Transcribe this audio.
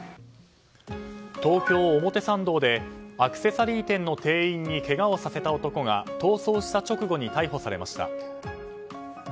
東京・表参道でアクセサリー店の店員にけがをさせた男が逃走した直後に逮捕されました。